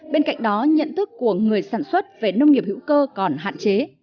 bên cạnh đó nhận thức của người sản xuất về nông nghiệp hữu cơ còn hạn chế